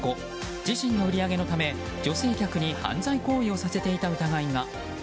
自身の売り上げのため、女性客に犯罪行為をさせていた疑いが。